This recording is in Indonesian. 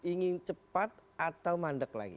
ingin cepat atau mandek lagi